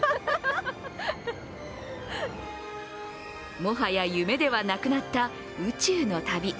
もはや夢ではなくなった宇宙の旅。